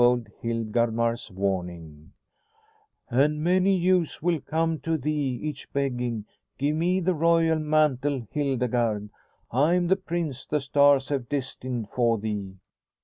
And he warned her like this: "'Many youths will come to thee, each begging, "Give me the royal mantle, Hildegarde. I am the prince the stahs have destined for thee."